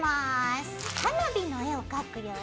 花火の絵を描くよ。